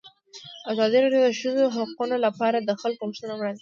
ازادي راډیو د د ښځو حقونه لپاره د خلکو غوښتنې وړاندې کړي.